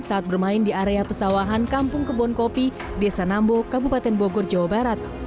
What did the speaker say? saat bermain di area pesawahan kampung kebon kopi desa nambo kabupaten bogor jawa barat